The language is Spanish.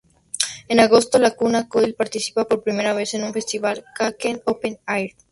En agosto Lacuna Coil participa por primera vez en un festival: Wacken Open Air.